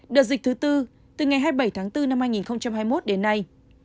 đợt dịch thứ tư từ ngày hai mươi bảy tháng bốn năm hai nghìn hai mươi một đến nay